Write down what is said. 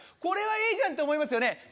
これはいいじゃんと思いますよね